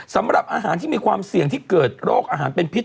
สำหรับอาหารที่มีความเสี่ยงที่เกิดโรคอาหารเป็นพิษ